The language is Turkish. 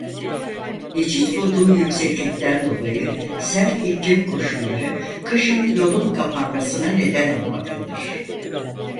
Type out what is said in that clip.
Geçit bulunduğu yükseklikten dolayı sert iklim koşulları kışın yolun kapanmasına neden olmaktadır.